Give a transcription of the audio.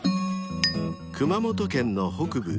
［熊本県の北部